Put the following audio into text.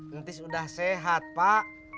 nanti sudah sehat pak